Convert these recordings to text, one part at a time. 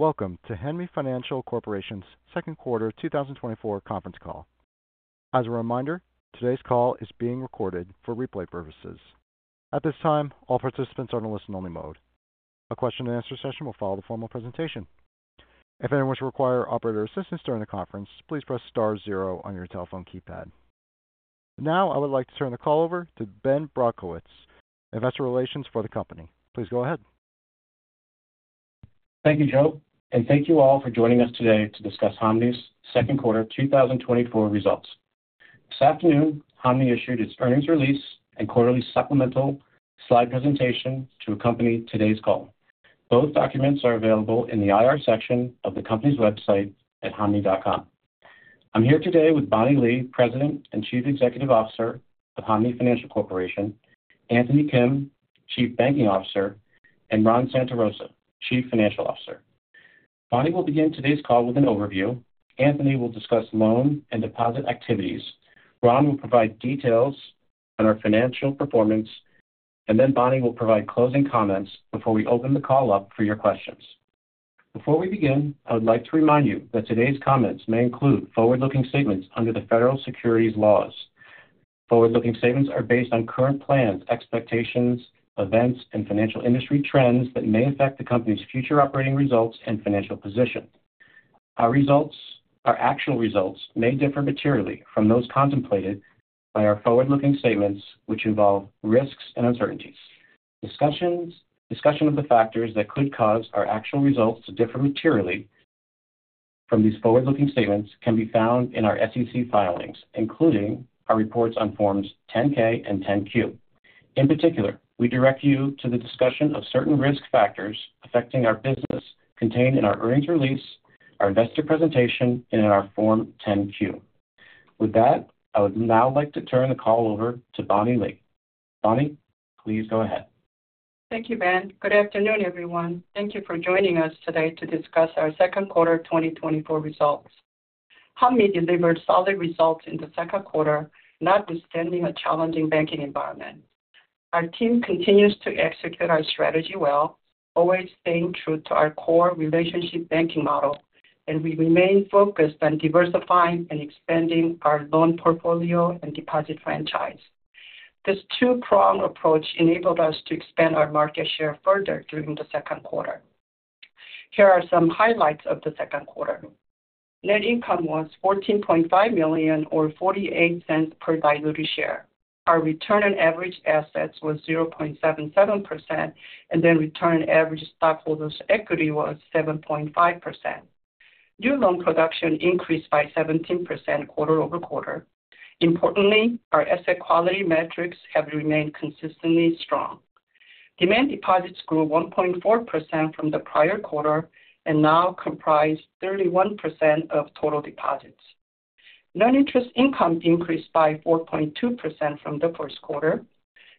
Welcome to Hanmi Financial Corporation's second quarter 2024 conference call. As a reminder, today's call is being recorded for replay purposes. At this time, all participants are in a listen-only mode. A question and answer session will follow the formal presentation. If anyone should require operator assistance during the conference, please press star zero on your telephone keypad. Now, I would like to turn the call over to Ben Brodkowitz, Investor Relations for the company. Please go ahead. Thank you, Joe, and thank you all for joining us today to discuss Hanmi's second quarter 2024 results. This afternoon, Hanmi issued its earnings release and quarterly supplemental slide presentation to accompany today's call. Both documents are available in the IR section of the company's website at hanmi.com. I'm here today with Bonnie Lee, President and Chief Executive Officer of Hanmi Financial Corporation, Anthony Kim, Chief Banking Officer, and Ron Santarosa, Chief Financial Officer. Bonnie will begin today's call with an overview. Anthony will discuss loan and deposit activities. Ron will provide details on our financial performance, and then Bonnie will provide closing comments before we open the call up for your questions. Before we begin, I would like to remind you that today's comments may include forward-looking statements under the federal securities laws. Forward-looking statements are based on current plans, expectations, events, and financial industry trends that may affect the company's future operating results and financial position. Our actual results may differ materially from those contemplated by our forward-looking statements, which involve risks and uncertainties. Discussion of the factors that could cause our actual results to differ materially from these forward-looking statements can be found in our SEC filings, including our reports on Forms 10-K and 10-Q. In particular, we direct you to the discussion of certain risk factors affecting our business contained in our earnings release, our investor presentation, and in our Form 10-Q. With that, I would now like to turn the call over to Bonnie Lee. Bonnie, please go ahead. Thank you, Ben. Good afternoon, everyone. Thank you for joining us today to discuss our second quarter 2024 results. Hanmi delivered solid results in the second quarter, notwithstanding a challenging banking environment. Our team continues to execute our strategy well, always staying true to our core relationship banking model, and we remain focused on diversifying and expanding our loan portfolio and deposit franchise. This two-prong approach enabled us to expand our market share further during the second quarter. Here are some highlights of the second quarter. Net income was $14.5 million, or $0.48 per diluted share. Our return on average assets was 0.77%, and then return on average stockholders' equity was 7.5%. New loan production increased by 17% quarter-over-quarter. Importantly, our asset quality metrics have remained consistently strong. Demand deposits grew 1.4% from the prior quarter and now comprise 31% of total deposits. Noninterest income increased by 4.2% from the first quarter.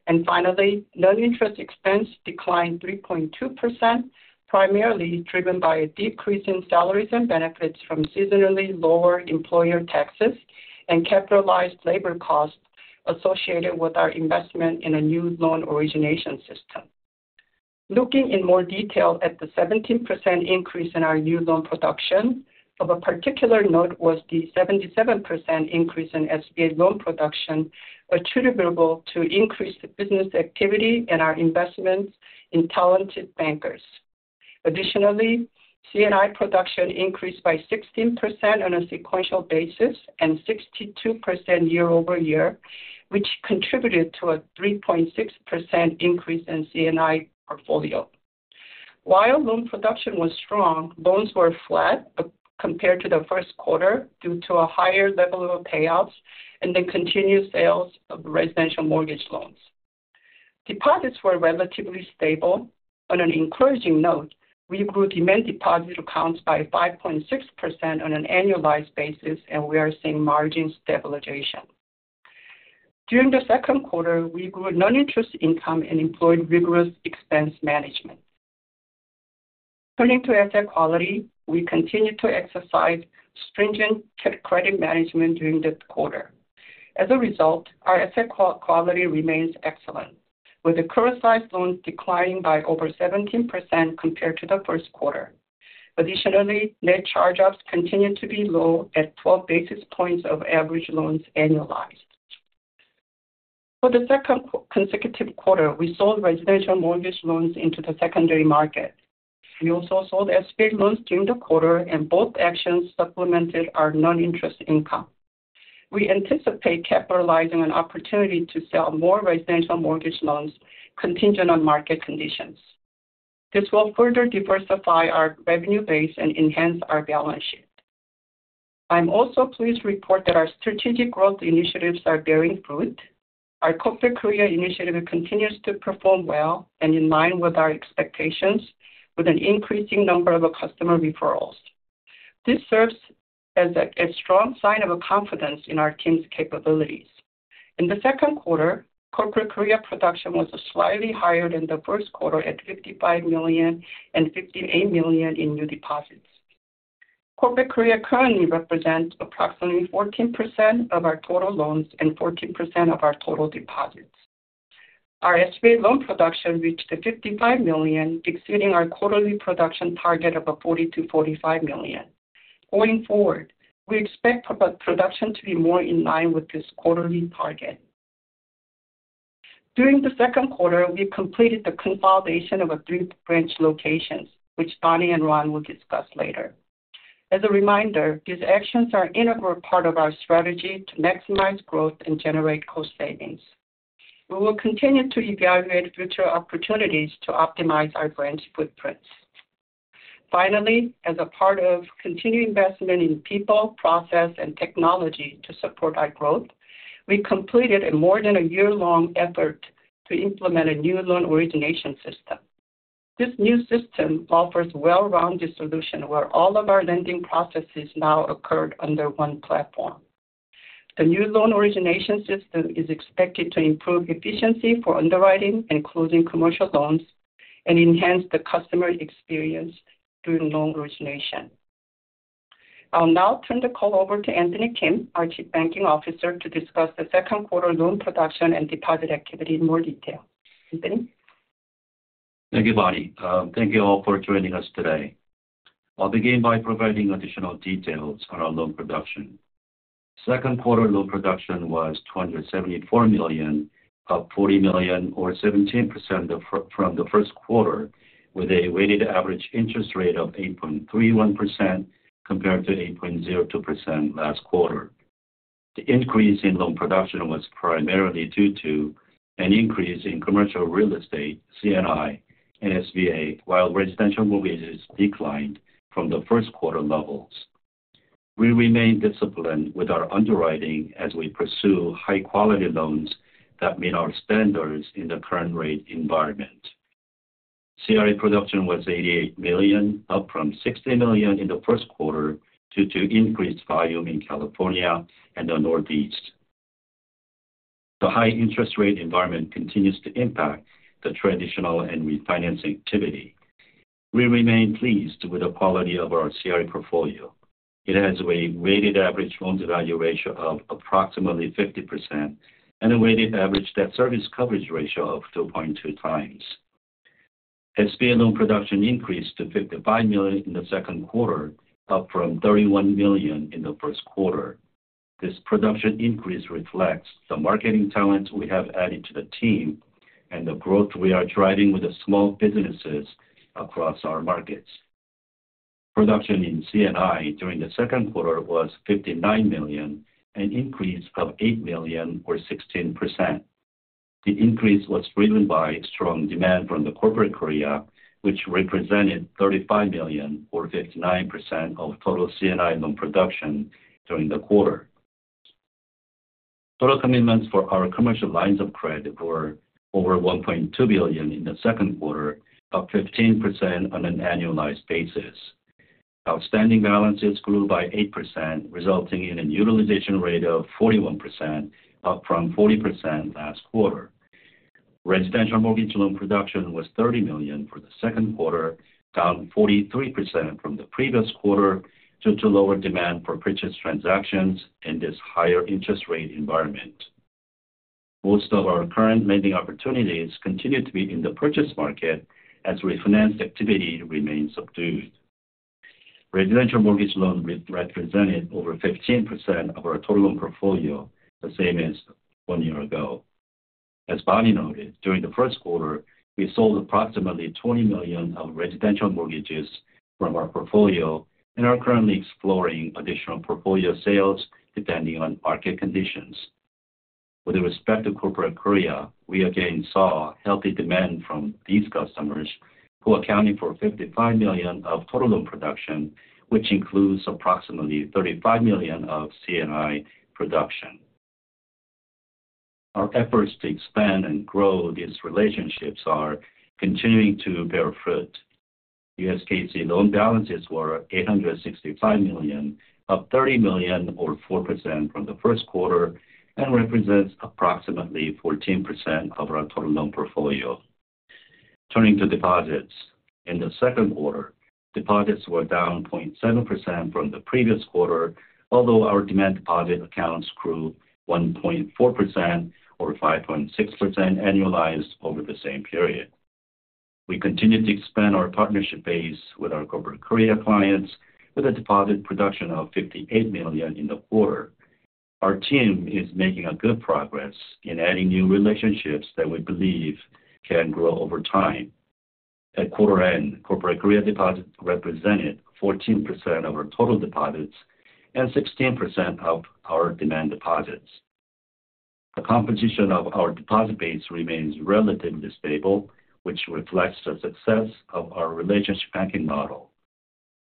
And finally, noninterest expense declined 3.2%, primarily driven by a decrease in salaries and benefits from seasonally lower employer taxes and capitalized labor costs associated with our investment in a new loan origination system. Looking in more detail at the 17% increase in our new loan production, of a particular note was the 77% increase in SBA loan production, attributable to increased business activity and our investments in talented bankers. Additionally, C&I production increased by 16% on a sequential basis and 62% year-over-year, which contributed to a 3.6% increase in C&I portfolio. While loan production was strong, loans were flat compared to the first quarter due to a higher level of payouts and the continued sales of residential mortgage loans. Deposits were relatively stable. On an encouraging note, we grew demand deposit accounts by 5.6% on an annualized basis, and we are seeing margin stabilization. During the second quarter, we grew non-interest income and employed rigorous expense management. Turning to asset quality, we continued to exercise stringent credit management during the quarter. As a result, our asset quality remains excellent, with the criticized loans declining by over 17% compared to the first quarter. Additionally, net charge-offs continued to be low at 12 basis points of average loans annualized. For the second consecutive quarter, we sold residential mortgage loans into the secondary market. We also sold SBA loans during the quarter, and both actions supplemented our non-interest income. We anticipate capitalizing on opportunity to sell more residential mortgage loans contingent on market conditions. This will further diversify our revenue base and enhance our balance sheet. I'm also pleased to report that our strategic growth initiatives are bearing fruit. Our Corporate Korea initiative continues to perform well and in line with our expectations, with an increasing number of customer referrals. This serves as a strong sign of confidence in our team's capabilities. In the second quarter, Corporate Korea production was slightly higher than the first quarter, at $55 million and $58 million in new deposits. Corporate Korea currently represents approximately 14% of our total loans and 14% of our total deposits. Our estimated loan production reached the $55 million, exceeding our quarterly production target of a $40 million-$45 million. Going forward, we expect loan production to be more in line with this quarterly target. During the second quarter, we completed the consolidation of three branch locations, which Bonnie and Ron will discuss later. As a reminder, these actions are an integral part of our strategy to maximize growth and generate cost savings. We will continue to evaluate future opportunities to optimize our branch footprints. Finally, as part of continued investment in people, process, and technology to support our growth, we completed more than a year-long effort to implement a new loan origination system. This new system offers a well-rounded solution, where all of our lending processes now occur under one platform. The new loan origination system is expected to improve efficiency for underwriting and closing commercial loans and enhance the customer experience through loan origination. I'll now turn the call over to Anthony Kim, our Chief Banking Officer, to discuss the second quarter loan production and deposit activity in more detail. Anthony? Thank you, Bonnie. Thank you all for joining us today. I'll begin by providing additional details on our loan production. Second quarter loan production was $274 million, up $40 million or 17% from the first quarter, with a weighted average interest rate of 8.31% compared to 8.02% last quarter. The increase in loan production was primarily due to an increase in commercial real estate, C&I, and SBA, while residential mortgages declined from the first quarter levels. We remain disciplined with our underwriting as we pursue high-quality loans that meet our standards in the current rate environment. CRE production was $88 million, up from $60 million in the first quarter, due to increased volume in California and the Northeast. The high interest rate environment continues to impact the traditional and refinancing activity. We remain pleased with the quality of our CRE portfolio. It has a weighted average loan-to-value ratio of approximately 50% and a weighted average debt service coverage ratio of 2.2x. SBA loan production increased to $55 million in the second quarter, up from $31 million in the first quarter. This production increase reflects the marketing talent we have added to the team and the growth we are driving with the small businesses across our markets. Production in C&I during the second quarter was $59 million, an increase of $8 million or 16%. The increase was driven by strong demand from the Corporate Korea, which represented $35 million or 59% of total C&I loan production during the quarter. Total commitments for our commercial lines of credit were over $1.2 billion in the second quarter, up 15% on an annualized basis. Outstanding balances grew by 8%, resulting in a utilization rate of 41%, up from 40% last quarter. Residential mortgage loan production was $30 million for the second quarter, down 43% from the previous quarter, due to lower demand for purchase transactions in this higher interest rate environment. Most of our current lending opportunities continue to be in the purchase market, as refinance activity remains subdued. Residential mortgage loans represented over 15% of our total loan portfolio, the same as one year ago. As Bonnie noted, during the first quarter, we sold approximately $20 million of residential mortgages from our portfolio and are currently exploring additional portfolio sales, depending on market conditions. With respect to Corporate Korea, we again saw healthy demand from these customers, who accounted for $55 million of total loan production, which includes approximately $35 million of C&I production. Our efforts to expand and grow these relationships are continuing to bear fruit. USKC loan balances were $865 million, up $30 million or 4% from the first quarter, and represents approximately 14% of our total loan portfolio. Turning to deposits. In the second quarter, deposits were down 0.7% from the previous quarter, although our demand deposit accounts grew 1.4% or 5.6% annualized over the same period. We continue to expand our partnership base with our Corporate Korea clients with a deposit production of $58 million in the quarter. Our team is making a good progress in adding new relationships that we believe can grow over time. At quarter end, Corporate Korea deposits represented 14% of our total deposits and 16% of our demand deposits. The composition of our deposit base remains relatively stable, which reflects the success of our relationship banking model.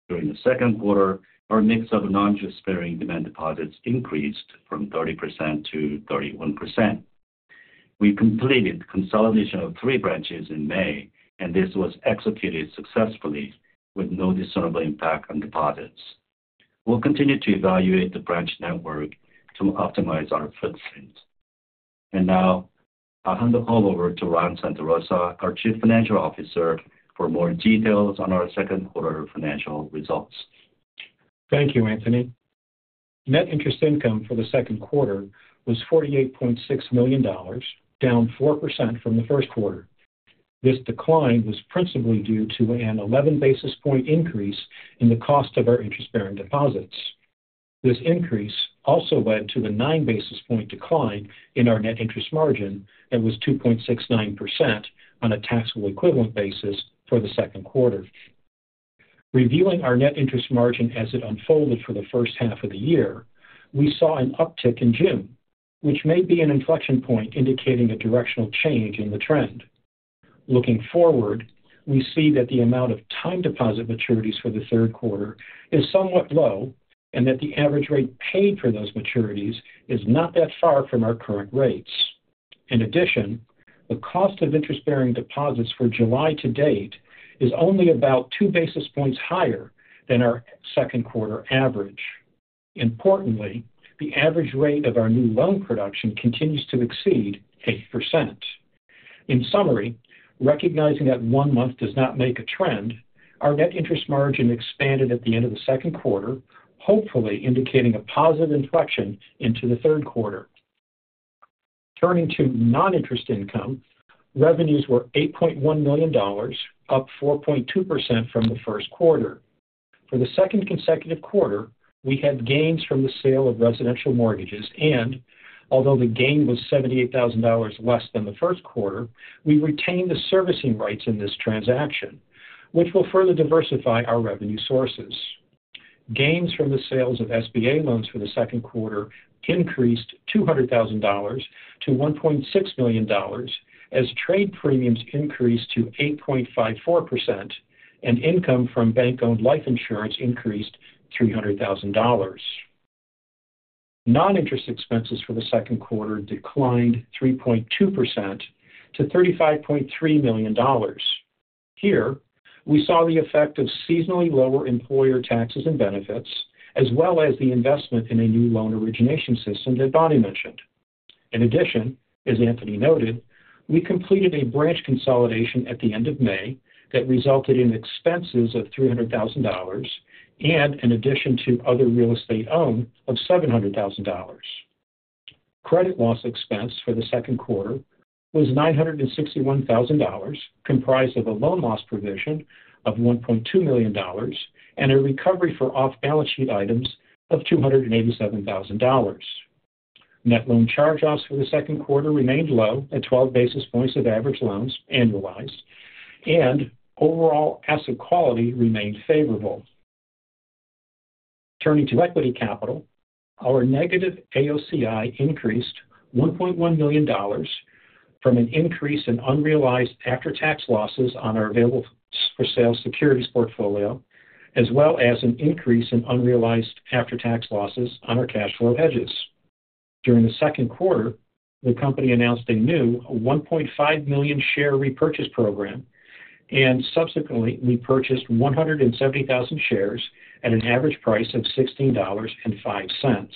During the second quarter, our mix of non-interest-bearing demand deposits increased from 30% to 31%. We completed consolidation of 3 branches in May, and this was executed successfully with no discernible impact on deposits. We'll continue to evaluate the branch network to optimize our footprints. And now, I'll hand the call over to Ron Santarosa, our Chief Financial Officer, for more details on our second quarter financial results. Thank you, Anthony. Net interest income for the second quarter was $48.6 million, down 4% from the first quarter. This decline was principally due to an 11 basis point increase in the cost of our interest-bearing deposits. This increase also led to the 9 basis point decline in our net interest margin and was 2.69% on a taxable-equivalent basis for the second quarter. Reviewing our net interest margin as it unfolded for the first half of the year, we saw an uptick in June, which may be an inflection point indicating a directional change in the trend. Looking forward, we see that the amount of time deposit maturities for the third quarter is somewhat low and that the average rate paid for those maturities is not that far from our current rates. In addition, the cost of interest-bearing deposits for July to date is only about 2 basis points higher than our second quarter average. Importantly, the average rate of our new loan production continues to exceed 8%. In summary, recognizing that one month does not make a trend, our net interest margin expanded at the end of the second quarter, hopefully indicating a positive inflection into the third quarter. Turning to non-interest income, revenues were $8.1 million, up 4.2% from the first quarter. For the second consecutive quarter, we had gains from the sale of residential mortgages, and although the gain was $78,000 less than the first quarter, we retained the servicing rights in this transaction, which will further diversify our revenue sources. Gains from the sales of SBA loans for the second quarter increased $200,000 to $1.6 million, as trade premiums increased to 8.54% and income from bank-owned life insurance increased $300,000. Non-interest expenses for the second quarter declined 3.2% to $35.3 million. Here, we saw the effect of seasonally lower employer taxes and benefits, as well as the investment in a new loan origination system that Bonnie mentioned. In addition, as Anthony noted, we completed a branch consolidation at the end of May that resulted in expenses of $300,000 and an addition to Other Real Estate Owned of $700,000. Credit loss expense for the second quarter was $961,000, comprised of a loan loss provision of $1.2 million and a recovery for off-balance sheet items of $287,000. Net loan charge-offs for the second quarter remained low at 12 basis points of average loans annualized, and overall asset quality remained favorable. Turning to equity capital, our negative AOCI increased $1.1 million from an increase in unrealized after-tax losses on our available-for-sale securities portfolio, as well as an increase in unrealized after-tax losses on our cash flow hedges. During the second quarter, the company announced a new 1.5 million share repurchase program, and subsequently, we purchased 170,000 shares at an average price of $16.05.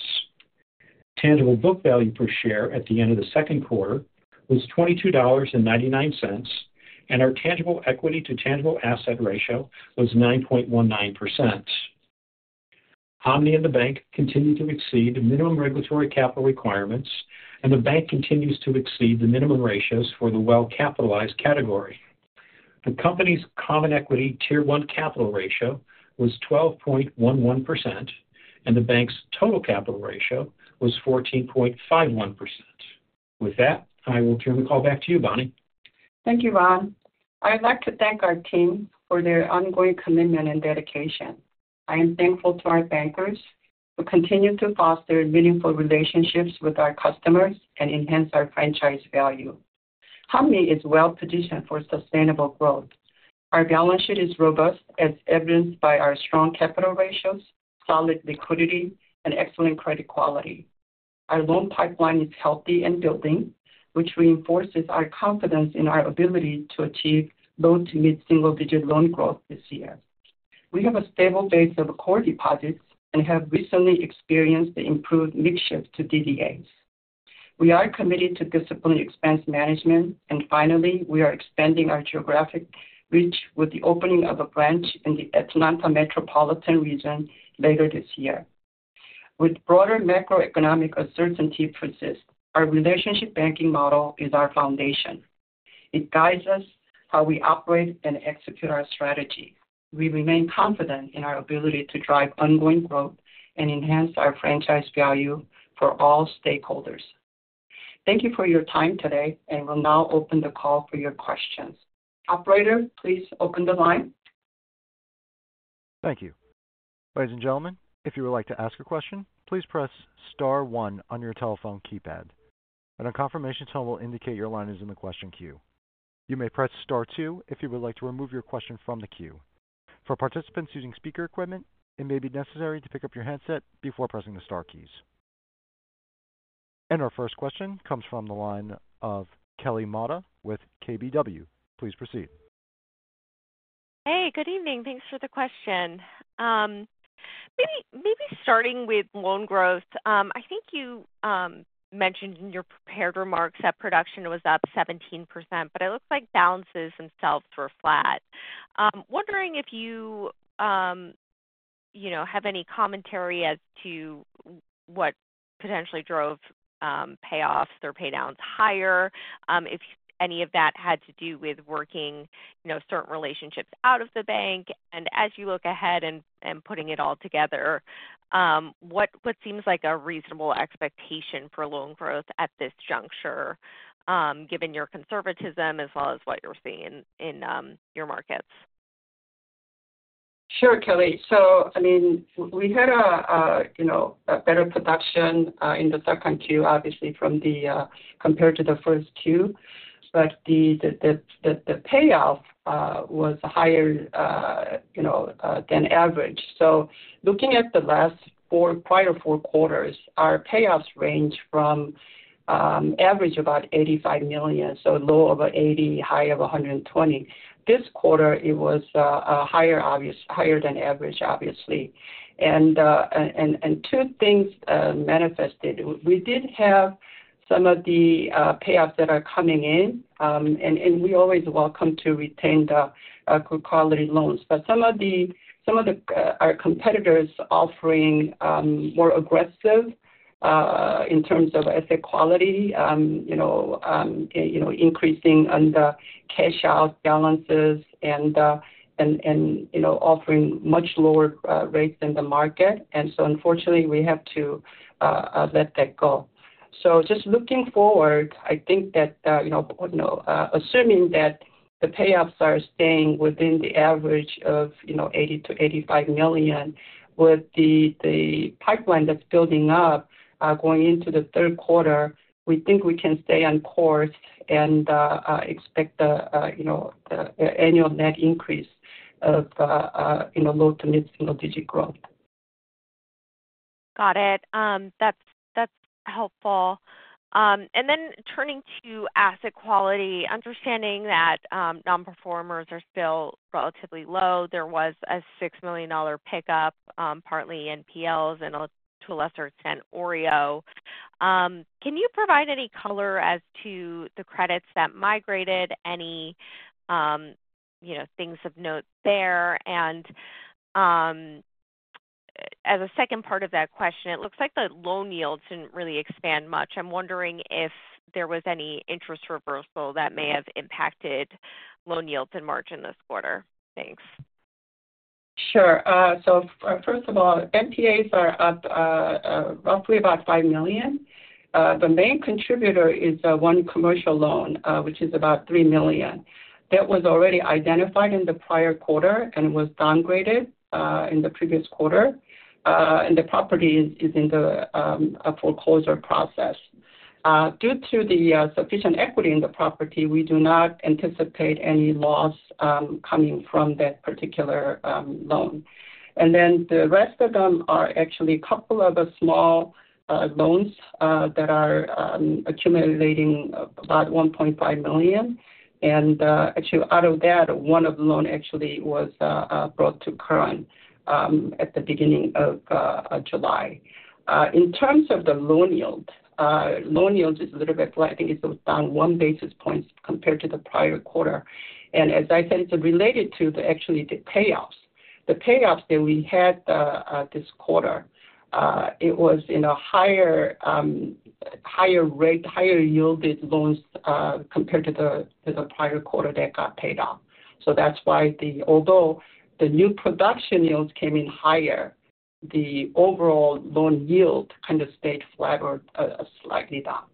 Tangible book value per share at the end of the second quarter was $22.99, and our tangible equity to tangible asset ratio was 9.19%. Hanmi and the bank continue to exceed the minimum regulatory capital requirements, and the bank continues to exceed the minimum ratios for the well-capitalized category. The company's Common Equity Tier 1 capital ratio was 12.11%, and the bank's total capital ratio was 14.51%. With that, I will turn the call back to you, Bonnie. Thank you, Ron. I'd like to thank our team for their ongoing commitment and dedication. I am thankful to our bankers who continue to foster meaningful relationships with our customers and enhance our franchise value. Hanmi is well positioned for sustainable growth. Our balance sheet is robust, as evidenced by our strong capital ratios, solid liquidity, and excellent credit quality. Our loan pipeline is healthy and building, which reinforces our confidence in our ability to achieve low to mid-single-digit loan growth this year. We have a stable base of core deposits and have recently experienced an improved mix shift to DDAs. We are committed to disciplined expense management. And finally, we are expanding our geographic reach with the opening of a branch in the Atlanta metropolitan area later this year. With broader macroeconomic uncertainty persist, our relationship banking model is our foundation. It guides us how we operate and execute our strategy. We remain confident in our ability to drive ongoing growth and enhance our franchise value for all stakeholders. Thank you for your time today, and we'll now open the call for your questions. Operator, please open the line. Thank you. Ladies and gentlemen, if you would like to ask a question, please press star one on your telephone keypad, and a confirmation tone will indicate your line is in the question queue. You may press star two if you would like to remove your question from the queue. For participants using speaker equipment, it may be necessary to pick up your handset before pressing the star keys. Our first question comes from the line of Kelly Motta with KBW. Please proceed. Hey, good evening. Thanks for the question. Maybe starting with loan growth. I think you mentioned in your prepared remarks that production was up 17%, but it looks like balances themselves were flat. Wondering if you, you know, have any commentary as to what potentially drove payoffs or paydowns higher? If any of that had to do with working, you know, certain relationships out of the bank. And as you look ahead and putting it all together, what seems like a reasonable expectation for loan growth at this juncture, given your conservatism as well as what you're seeing in your markets? Sure, Kelly. So, I mean, we had a, you know, a better production in the second Q, obviously from the compared to the first Q. But the payoff was higher, you know, than average. So looking at the last four prior four quarters, our payoffs range from average about $85 million, so low of $80 million, high of $120 million. This quarter, it was higher than average, obviously. And two things manifested. We did have some of the payoffs that are coming in, and we always welcome to retain the good quality loans. But some of our competitors offering more aggressive in terms of asset quality, you know, you know, increasing on the cash out balances and, and, you know, offering much lower rates than the market. So unfortunately, we have to let that go. So just looking forward, I think that, you know, you know, assuming that the payoffs are staying within the average of, you know, $80 million-$85 million, with the pipeline that's building up going into the third quarter, we think we can stay on course and expect a, you know, the annual net increase of, you know, low to mid single digit growth. Got it. That's, that's helpful. And then turning to asset quality, understanding that nonperformers are still relatively low, there was a $6 million pickup, partly NPLs and to a lesser extent, OREO. Can you provide any color as to the credits that migrated? Any, you know, things of note there? And, as a second part of that question, it looks like the loan yields didn't really expand much. I'm wondering if there was any interest reversal that may have impacted loan yields in March in this quarter. Thanks. Sure. So, first of all, NPAs are up roughly about $5 million. The main contributor is one commercial loan, which is about $3 million. That was already identified in the prior quarter and was downgraded in the previous quarter. And the property is in a foreclosure process. Due to the sufficient equity in the property, we do not anticipate any loss coming from that particular loan. And then the rest of them are actually a couple of the small loans that are accumulating about $1.5 million. And actually, out of that, one of the loan actually was brought to current at the beginning of July. In terms of the loan yield, loan yields is a little bit flat. I think it's down one basis point compared to the prior quarter. As I said, it's related to actually the payoffs. The payoffs that we had this quarter, it was in a higher higher rate, higher yielded loans compared to the prior quarter that got paid off. So that's why, although the new production yields came in higher, the overall loan yield kind of stayed flat or slightly down.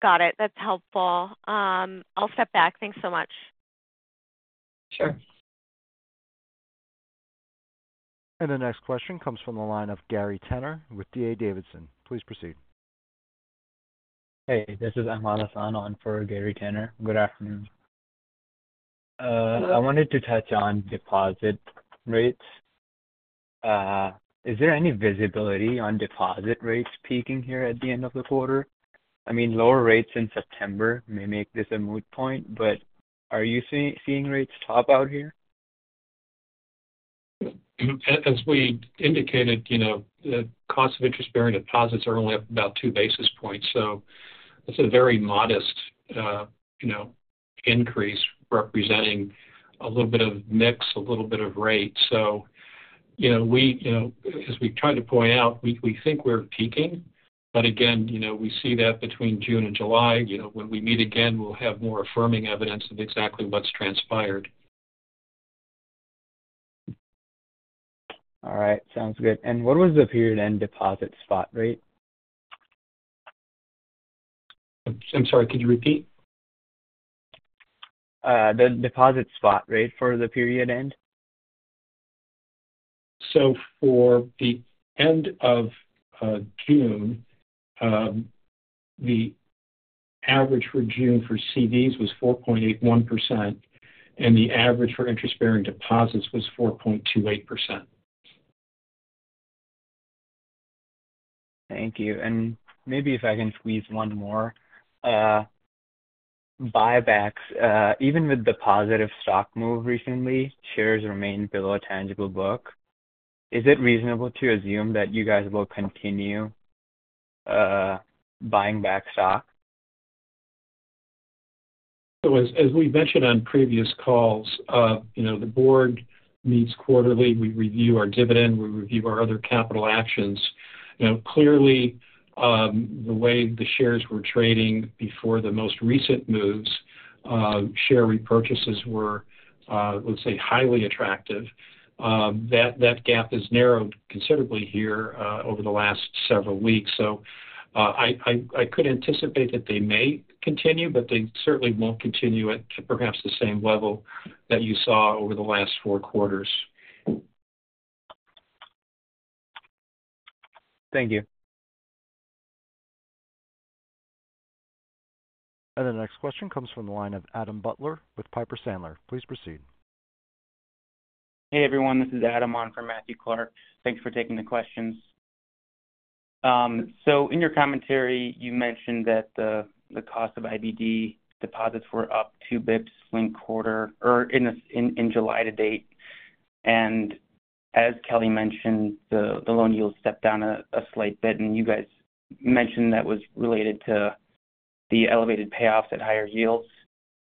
Got it. That's helpful. I'll step back. Thanks so much. Sure. The next question comes from the line of Gary Tenner with D.A. Davidson. Please proceed. Hey, this is Ahmad Hasan on for Gary Tenner. Good afternoon. Good afternoon. I wanted to touch on deposit rates. Is there any visibility on deposit rates peaking here at the end of the quarter? I mean, lower rates in September may make this a moot point, but are you seeing rates top out here? As we indicated, you know, the cost of interest-bearing deposits are only up about two basis points, so it's a very modest, you know, increase, representing a little bit of mix, a little bit of rate. So, you know, we, you know, as we've tried to point out, we, we think we're peaking. But again, you know, we see that between June and July, you know, when we meet again, we'll have more affirming evidence of exactly what's transpired. All right. Sounds good. What was the period-end deposit spot rate? I'm sorry, could you repeat? The deposit spot rate for the period end. For the end of June, the average for June for CDs was 4.81%, and the average for interest-bearing deposits was 4.28%. Thank you. And maybe if I can squeeze one more. Buybacks, even with the positive stock move recently, shares remain below tangible book. Is it reasonable to assume that you guys will continue, buying back stock? So as we've mentioned on previous calls, you know, the board meets quarterly. We review our dividend, we review our other capital actions. You know, clearly, the way the shares were trading before the most recent moves, share repurchases were, let's say, highly attractive. That gap has narrowed considerably here, over the last several weeks. So, I could anticipate that they may continue, but they certainly won't continue at perhaps the same level that you saw over the last four quarters. Thank you. The next question comes from the line of Adam Butler with Piper Sandler. Please proceed. Hey, everyone, this is Adam on for Matthew Clark. Thanks for taking the questions. So in your commentary, you mentioned that the cost of IBD deposits were up two bps linked quarter or in July to date. And as Kelly mentioned, the loan yields stepped down a slight bit, and you guys mentioned that was related to the elevated payoffs at higher yields.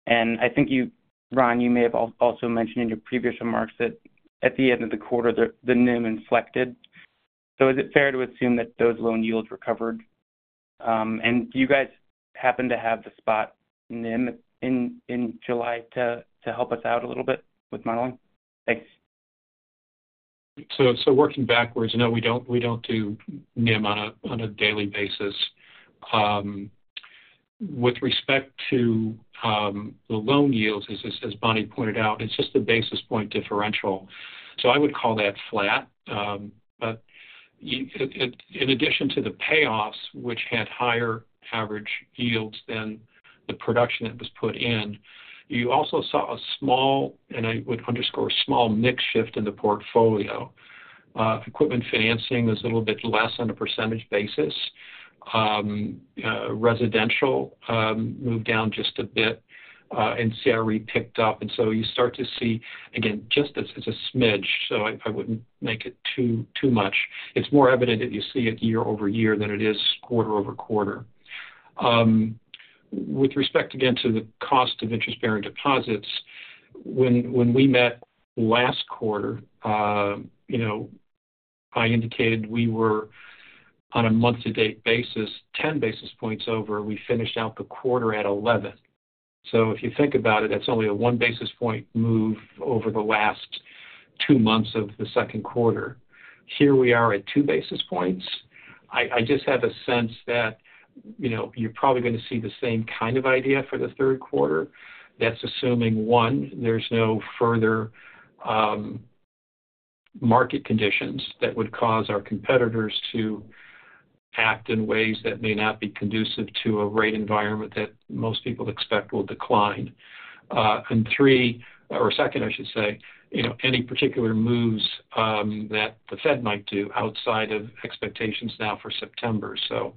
And I think you, Ron, you may have also mentioned in your previous remarks that at the end of the quarter, the NIM inflected. So is it fair to assume that those loan yields recovered? And do you guys happen to have the spot NIM in July to help us out a little bit with modeling? Thanks. So working backwards, no, we don't do NIM on a daily basis. With respect to the loan yields, as Bonnie pointed out, it's just a basis point differential, so I would call that flat. But in addition to the payoffs, which had higher average yields than the production that was put in, you also saw a small, and I would underscore, small mix shift in the portfolio. Equipment financing was a little bit less on a percentage basis. Residential moved down just a bit, and CRE picked up. And so you start to see, again, just as a smidge, so I wouldn't make it too much. It's more evident that you see it year-over-year than it is quarter-over-quarter. With respect, again, to the cost of interest-bearing deposits, when, when we met last quarter, you know, I indicated we were on a month-to-date basis, 10 basis points over. We finished out the quarter at 11. So if you think about it, that's only a 1 basis point move over the last two months of the second quarter. Here we are at 2 basis points. I, I just have a sense that, you know, you're probably gonna see the same kind of idea for the third quarter. That's assuming, one, there's no further, market conditions that would cause our competitors to act in ways that may not be conducive to a rate environment that most people expect will decline. And three, or second, I should say, you know, any particular moves, that the Fed might do outside of expectations now for September. So,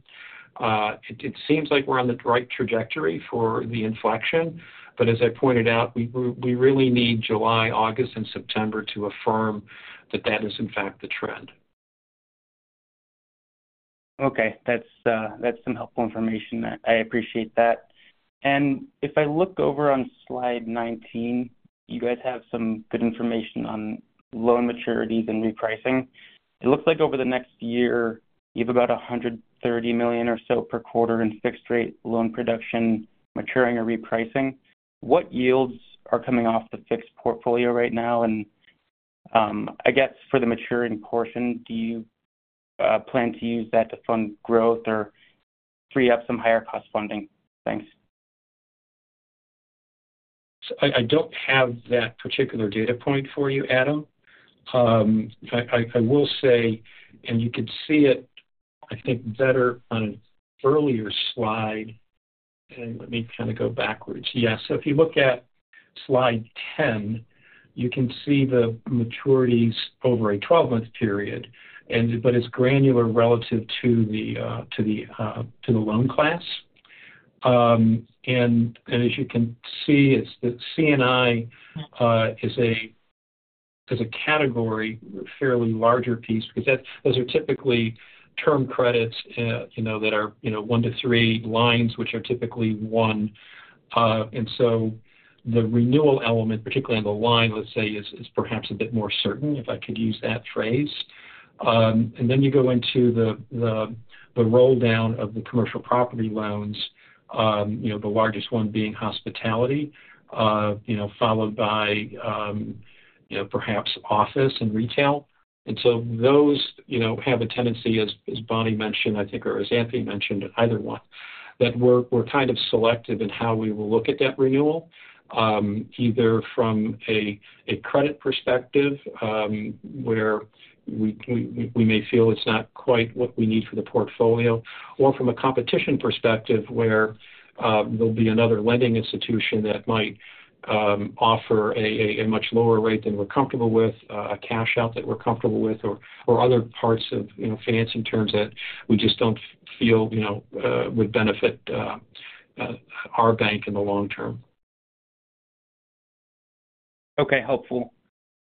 it seems like we're on the right trajectory for the inflection, but as I pointed out, we really need July, August, and September to affirm that that is, in fact, the trend. Okay. That's, that's some helpful information. I, I appreciate that. And if I look over on slide 19, you guys have some good information on loan maturities and repricing. It looks like over the next year, you have about $130 million or so per quarter in fixed rate loan production maturing or repricing. What yields are coming off the fixed portfolio right now? And, I guess for the maturing portion, do you plan to use that to fund growth or free up some higher cost funding? Thanks. I don't have that particular data point for you, Adam. I will say, and you can see it, I think, better on an earlier slide. Let me kind of go backwards. Yeah, so if you look at slide 10, you can see the maturities over a 12-month period, but it's granular relative to the loan class. And as you can see, it's the C&I is a category, fairly larger piece, because that those are typically term credits, you know, that are, you know, 1 to 3 lines, which are typically 1. And so the renewal element, particularly on the line, let's say, is perhaps a bit more certain, if I could use that phrase. And then you go into the roll down of the commercial property loans, you know, the largest one being hospitality, you know, followed by, you know, perhaps office and retail. And so those, you know, have a tendency, as Bonnie mentioned, I think, or as Anthony mentioned, either one, that we're kind of selective in how we will look at that renewal. Either from a credit perspective, where we may feel it's not quite what we need for the portfolio, or from a competition perspective, where there'll be another lending institution that might offer a much lower rate than we're comfortable with, a cash out that we're comfortable with, or other parts of, you know, financing terms that we just don't feel, you know, would benefit our bank in the long term. Okay, helpful.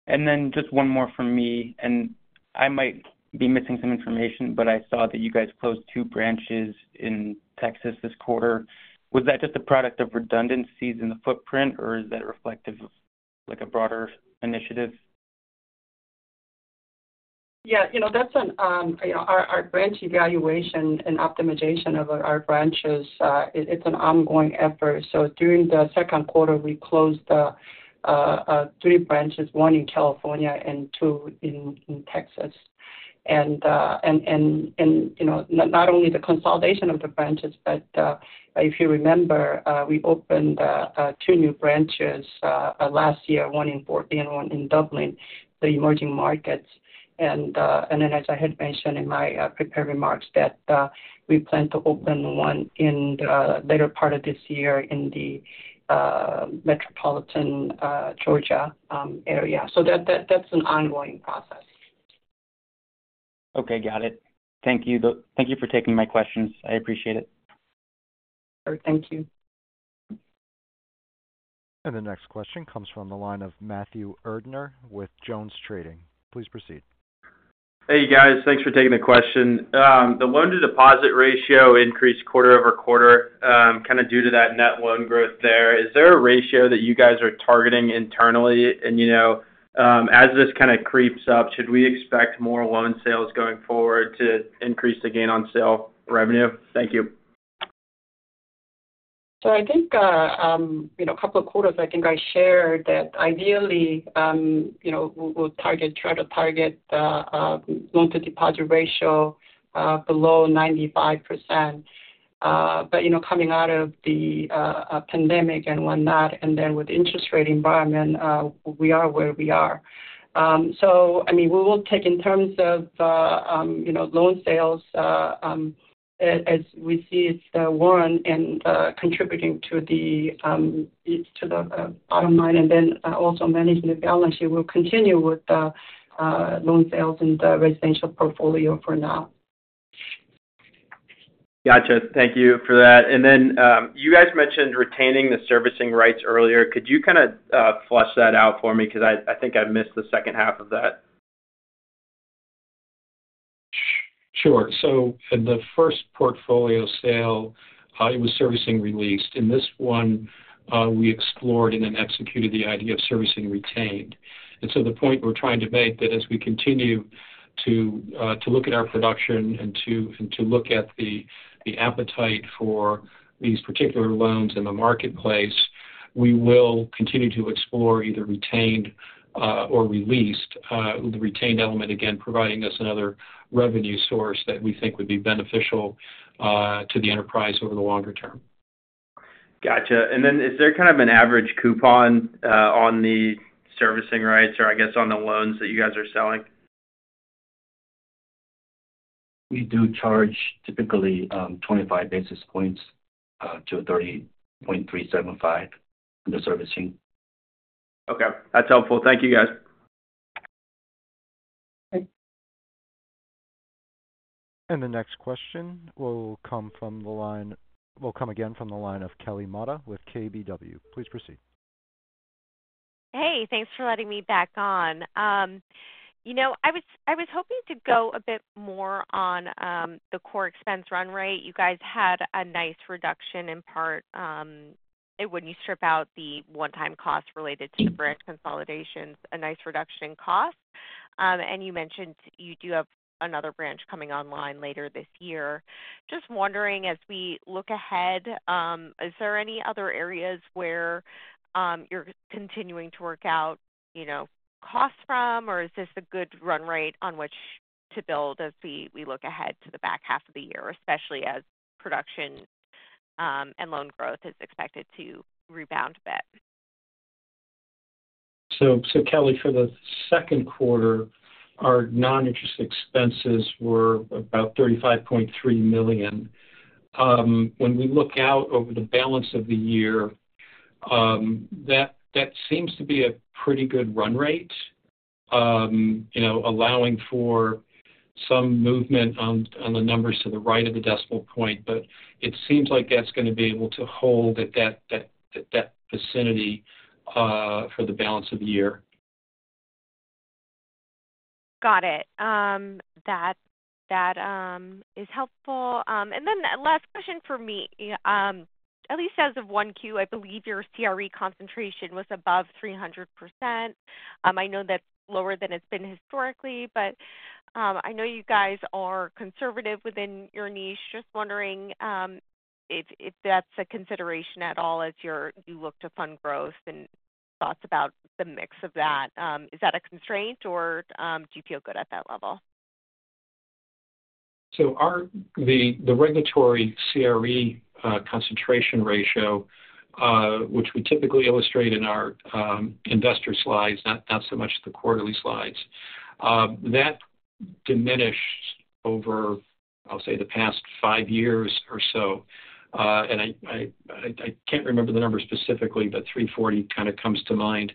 And then just one more from me, and I might be missing some information, but I saw that you guys closed 2 branches in Texas this quarter. Was that just a product of redundancies in the footprint, or is that reflective of, like, a broader initiative? Yeah, you know, that's an, you know, our branch evaluation and optimization of our branches, it's an ongoing effort. So during the second quarter, we closed 3 branches, 1 in California and 2 in Texas. And, you know, not only the consolidation of the branches, but if you remember, we opened 2 new branches last year, 1 in Portland and 1 in Dublin, the emerging markets. And then, as I had mentioned in my prepared remarks, that we plan to open 1 in the later part of this year in the metropolitan Georgia area. So that, that's an ongoing process. Okay, got it. Thank you, though. Thank you for taking my questions. I appreciate it. All right. Thank you. The next question comes from the line of Matthew Erdner with JonesTrading. Please proceed. Hey, guys. Thanks for taking the question. The loan-to-deposit ratio increased quarter-over-quarter, kinda due to that net loan growth there. Is there a ratio that you guys are targeting internally? You know, as this kinda creeps up, should we expect more loan sales going forward to increase the gain on sale revenue? Thank you. So I think, you know, a couple of quarters, I think I shared that ideally, you know, we'll, we'll try to target loan-to-deposit ratio below 95%. But, you know, coming out of the pandemic and whatnot, and then with interest rate environment, we are where we are. So, I mean, we will take in terms of, you know, loan sales, as, as we see it, one, and contributing to the, to the bottom line, and then also managing the balance sheet, we'll continue with the loan sales and the residential portfolio for now. Gotcha. Thank you for that. And then, you guys mentioned retaining the servicing rights earlier. Could you kinda, flesh that out for me? Because I think I missed the second half of that. Sure. So in the first portfolio sale, it was servicing released. In this one, we explored and then executed the idea of servicing retained. And so the point we're trying to make, that as we continue to look at our production and to look at the appetite for these particular loans in the marketplace, we will continue to explore either retained or released. The retained element, again, providing us another revenue source that we think would be beneficial to the enterprise over the longer term. Gotcha. Then, is there kind of an average coupon on the servicing rights or, I guess, on the loans that you guys are selling? We do charge typically 25-30.375 basis points, the servicing. Okay. That's helpful. Thank you, guys. Bye. The next question will come again from the line of Kelly Motta with KBW. Please proceed. Hey, thanks for letting me back on. You know, I was hoping to go a bit more on the core expense run rate. You guys had a nice reduction in part, when you strip out the one-time costs related to branch consolidations, a nice reduction in costs. And you mentioned you do have another branch coming online later this year. Just wondering, as we look ahead, is there any other areas where you're continuing to work out, you know, costs from, or is this a good run rate on which to build as we look ahead to the back half of the year, especially as production and loan growth is expected to rebound a bit? Kelly, for the second quarter, our non-interest expenses were about $35.3 million. When we look out over the balance of the year, that seems to be a pretty good run rate, you know, allowing for some movement on the numbers to the right of the decimal point. But it seems like that's going to be able to hold at that vicinity for the balance of the year. Got it. That is helpful. And then the last question for me. At least as of 1Q, I believe your CRE concentration was above 300%. I know that's lower than it's been historically, but I know you guys are conservative within your niche. Just wondering if that's a consideration at all as you look to fund growth and thoughts about the mix of that. Is that a constraint or do you feel good at that level? So our regulatory CRE concentration ratio, which we typically illustrate in our investor slides, not so much the quarterly slides, that diminished over, I'll say, the past five years or so. And I can't remember the number specifically, but 340 kinda comes to mind.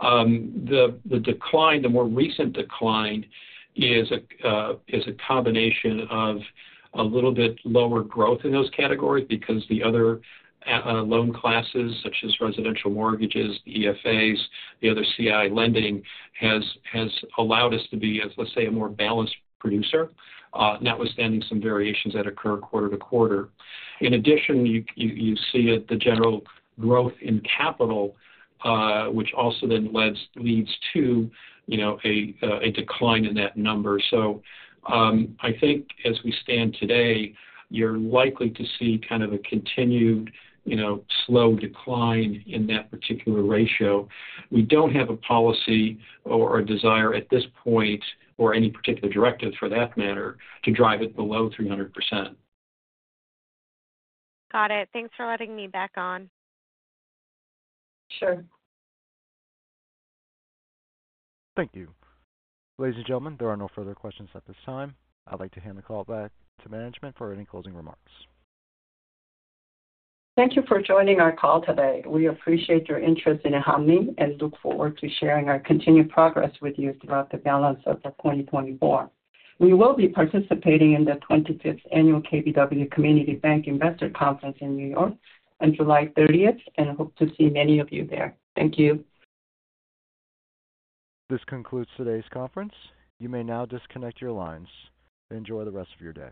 The decline, the more recent decline is a combination of a little bit lower growth in those categories because the other loan classes, such as residential mortgages, EFAs, the other C&I lending, has allowed us to be, as let's say, a more balanced producer, notwithstanding some variations that occur quarter to quarter. In addition, you see it, the general growth in capital, which also then leads to, you know, a decline in that number. So, I think as we stand today, you're likely to see kind of a continued, you know, slow decline in that particular ratio. We don't have a policy or a desire at this point, or any particular directive for that matter, to drive it below 300%. Got it. Thanks for letting me back on. Sure. Thank you. Ladies and gentlemen, there are no further questions at this time. I'd like to hand the call back to management for any closing remarks. Thank you for joining our call today. We appreciate your interest in Hanmi and look forward to sharing our continued progress with you throughout the balance of the 2024. We will be participating in the 25th Annual KBW Community Bank Investor Conference in New York on July 30th and hope to see many of you there. Thank you. This concludes today's conference. You may now disconnect your lines. Enjoy the rest of your day.